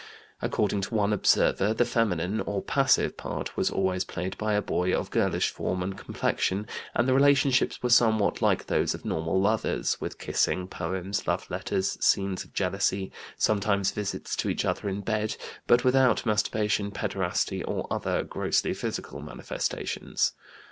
According to one observer, the feminine, or passive, part was always played by a boy of girlish form and complexion, and the relationships were somewhat like those of normal lovers, with kissing, poems, love letters, scenes of jealousy, sometimes visits to each other in bed, but without masturbation, pederasty, or other grossly physical manifestations.